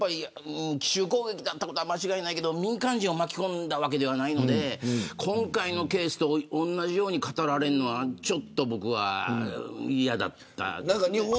奇襲攻撃だったことは間違いないけど民間人を巻き込んだわけではないので今回のケースと同じように語られるのはちょっと、僕は嫌だったですね。